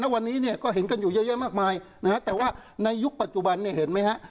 วันนี้เนี่ยก็เห็นกันอยู่เยอะแยะมากมายนะฮะแต่ว่าในยุคปัจจุบันเนี่ยเห็นไหมฮะ